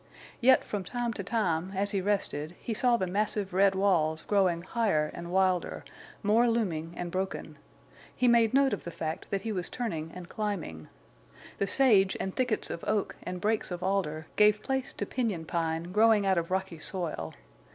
Yet from time to time, as he rested, he saw the massive red walls growing higher and wilder, more looming and broken. He made note of the fact that he was turning and climbing. The sage and thickets of oak and brakes of alder gave place to piñon pine growing out of rocky soil.